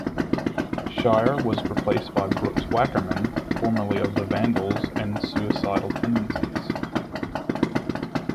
Schayer was replaced by Brooks Wackerman, formerly of The Vandals and Suicidal Tendencies.